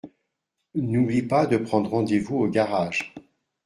N’oublie pas de prendre rendez-vous au garage.